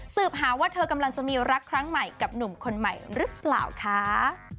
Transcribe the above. หาว่าเธอกำลังจะมีรักครั้งใหม่กับหนุ่มคนใหม่หรือเปล่าคะ